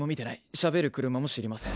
しゃべる車も知りません。